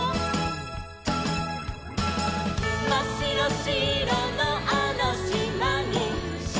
「まっしろしろのあのしまに」